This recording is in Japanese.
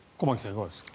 いかがですか。